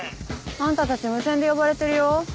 あんたたち無線で呼ばれてるよ。